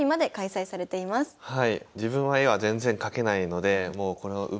自分は絵は全然描けないのでもうこのうまい絵を見て